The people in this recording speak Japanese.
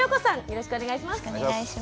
よろしくお願いします。